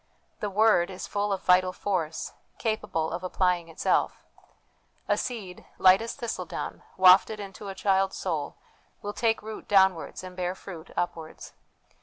The Word is full of vital force, capable of applying itself. A seed, light as thistledown, wafted into the child's soul, will take root downwards and bear fruit upwards.